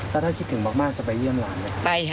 แล้วถ้าคิดถึงมากจะไปเยี่ยมหลานเลย